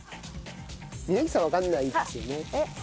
峯岸さんわかんないですよね？